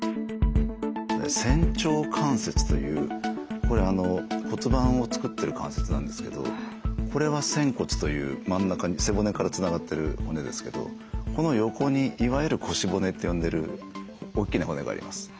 仙腸関節というこれ骨盤を作ってる関節なんですけどこれは仙骨という真ん中に背骨からつながってる骨ですけどこの横にいわゆる腰骨って呼んでる大きな骨があります。